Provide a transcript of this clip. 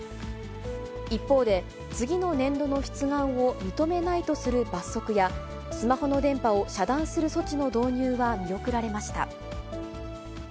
一方で、次の年度の出願を認めないとする罰則や、スマホの電波を遮断する措置の導入は見送られました。